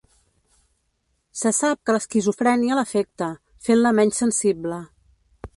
Se sap que l'esquizofrènia l'afecta, fent-la menys sensible.